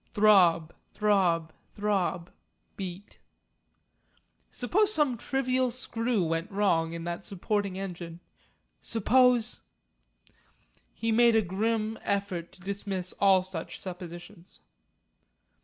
Throb, throb, throb beat; suppose some trivial screw went wrong in that supporting engine! Suppose ! He made a grim effort to dismiss all such suppositions.